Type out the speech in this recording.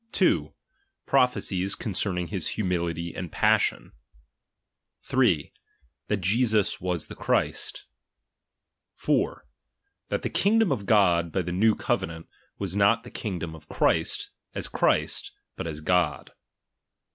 2. The pro phecies coQcerniDg hia liumility and pa.'ision, 3. That Je»us was tliat Clirist. 4f. That the kingdom of God by the new covenant, was not the kingdom of Christ, as Christ, but aa God.